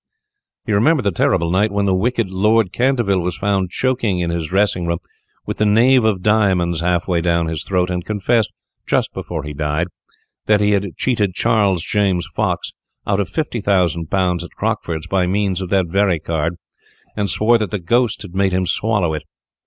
He remembered the terrible night when the wicked Lord Canterville was found choking in his dressing room, with the knave of diamonds half way down his throat, and confessed, just before he died, that he had cheated Charles James Fox out of £50,000 at Crockford's by means of that very card, and swore that the ghost had made him swallow it.